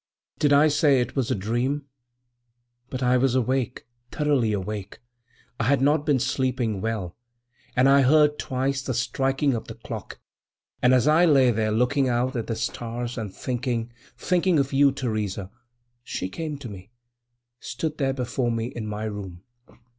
"Did I say it was a dream? But I was awake—thoroughly awake. I had not been sleeping well, and I heard, twice, the striking of the clock. And as I lay there, looking out at the stars, and thinking—thinking of you, Theresa,—she came to me, stood there before me, in my room.